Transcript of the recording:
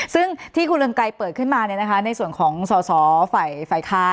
ซึ่งที่คุณเรืองไกรเปิดขึ้นมาในส่วนของสอสอฝ่ายค้าน